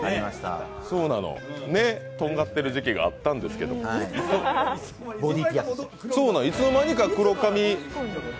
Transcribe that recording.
そうなの、とんがってる時期があったんですけどいつの間にか黒髪に。